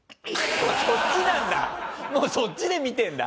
もうそっちで見てるんだ。